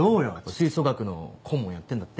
吹奏楽の顧問やってんだって？